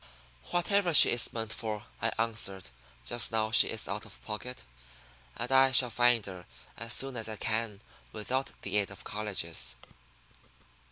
"Whatever she is meant for," I answered, just now she is out of pocket. And I shall find her as soon as I can without aid of the colleges."